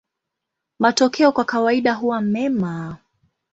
Matokeo kwa kawaida huwa mema.